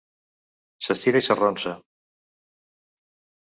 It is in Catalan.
S'estira i s'arronsa.